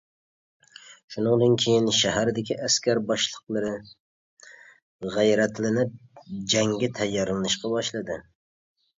شۇنىڭدىن كېيىن شەھەردىكى ئەسكەر باشلىقلىرى غەيرەتلىنىپ جەڭگە تەييارلىنىشقا باشلىدى.